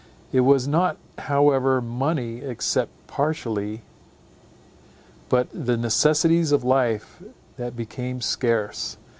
It was not however money, except partially, but the necessaries of life, that became scarce.